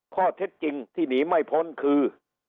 ข้อเท็จจริงที่หนีไม่พ้นคือ